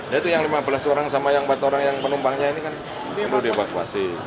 ya itu yang lima belas orang sama yang empat orang yang penumpangnya ini kan perlu dievakuasi